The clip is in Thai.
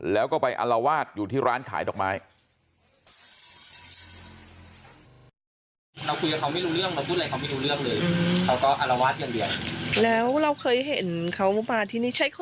แล้วก็ไปอลวาดอยู่ที่ร้านขายดอกไม้